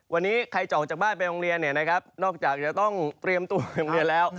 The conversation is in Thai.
วันนี้ใครจอกจากบ้านไปโรงเรียนนอกจากจะต้องเตรียมตัวโรงเรียนแล้ว